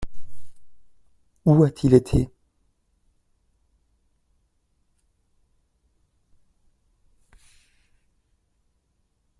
Où a-t-il été ?